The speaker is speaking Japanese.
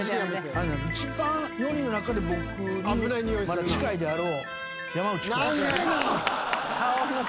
一番４人の中で僕にまだ近いであろう山内君。